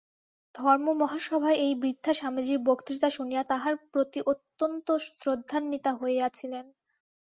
ধর্মমহাসভায় এই বৃদ্ধা স্বামীজীর বক্তৃতা শুনিয়া তাঁহার প্রতি অত্যন্ত শ্রদ্ধান্বিতা হইয়াছিলেন।